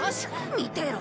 見てろ！